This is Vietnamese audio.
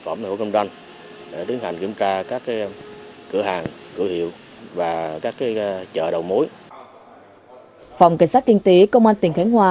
phòng cảnh sát kinh tế công an tỉnh khánh hòa